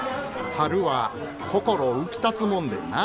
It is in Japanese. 春は心浮きたつもんでんなぁ。